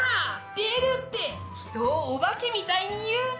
「出る」って人をお化けみたいに言うな！